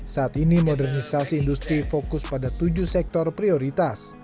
saat ini modernisasi industri fokus pada tujuh sektor prioritas